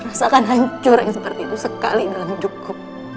rasakan hancur yang seperti itu sekali dalam hidupku